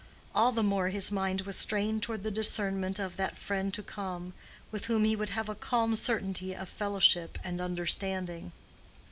All the more his mind was strained toward the discernment of that friend to come, with whom he would have a calm certainty of fellowship and understanding.